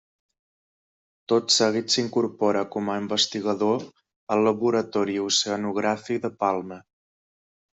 Tot seguit s’incorpora com a investigador al Laboratori Oceanogràfic de Palma.